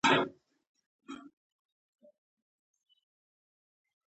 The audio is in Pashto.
دا نومځري د لومړي دویم او دریم شخص لپاره کاریږي.